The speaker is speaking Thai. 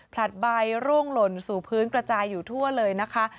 ใบร่วงหล่นสู่พื้นกระจายอยู่ทั่วเลยนะคะ